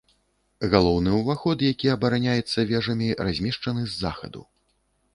Галоўны ўваход, які абараняецца вежамі, размешчаны з захаду.